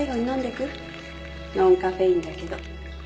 ノンカフェインだけど。